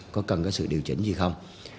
có cần sự điều chỉnh gì không